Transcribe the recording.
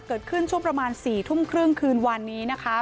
เกิดขึ้นช่วงประมาณ๔ทุ่มครึ่งคืนวันนี้นะคะ